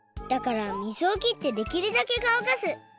だから水をきってできるだけかわかす。